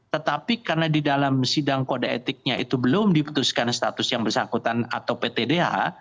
tetapi karena di dalam sidang kode etiknya itu belum diputuskan status yang bersangkutan atau ptdh